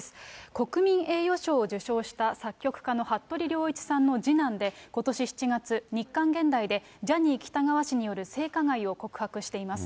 国民栄誉賞を受賞した作曲家の服部良一さんの次男でことし７月、日刊ゲンダイで、ジャニー喜多川氏による性加害を告白しています。